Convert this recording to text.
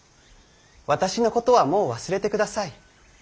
私のことはもう忘れてください。